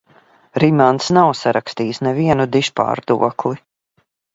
Rimants nav sarakstījis nevienu dižpārdokli.